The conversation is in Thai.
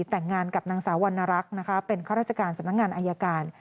แต่งงานกับนางสาววรรณรักษ์นะคะเป็นข้าราชการสำนักงานอายการ